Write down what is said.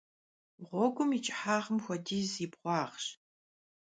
Ğuegum yi ç'ıhağım xuedizi yi bğuağş.